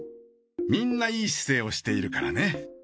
みんないい姿勢をしているからね。